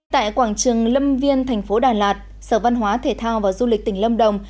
tại quảng trường lâm viên thành phố đà lạt sở văn hóa thể thao và du lịch tỉnh lâm đồng